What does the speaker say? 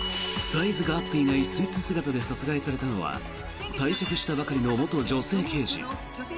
サイズが合っていないスーツ姿で殺害されたのは退職したばかりの元女性刑事。